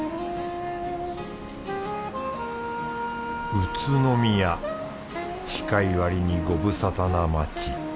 宇都宮近いわりにご無沙汰な街。